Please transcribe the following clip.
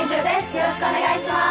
よろしくお願いします！